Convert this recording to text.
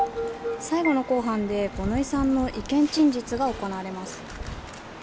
最後の公判で、五ノ井さんの意見陳述が行われます。